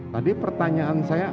tadi pertanyaan saya